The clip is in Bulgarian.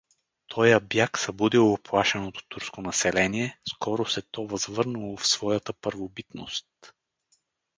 Тоя бяг събудил уплашеното турско население, скоро се то възвърнало в своята първобитност.